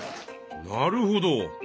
なるほど。